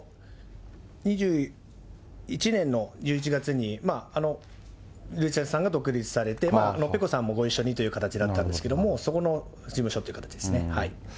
２１年の１１月に、ｒｙｕｃｈｅｌｌさんが独立されて、ペコさんもご一緒にという形だったんですけど、そこの事務所っていう形ですね。